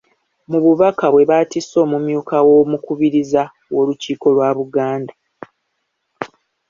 Mu bubaka bwe bw'atisse omumyuka w’Omukubiriza w’olukiiko lwa Buganda.